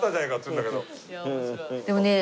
でもね